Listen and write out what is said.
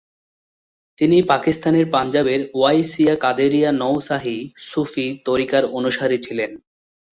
তিনি পাকিস্তানের পাঞ্জাবের ওয়াইসিয়া কাদেরিয়া নওশাহি সুফি ত্বরিকার অনুসারী ছিলেন।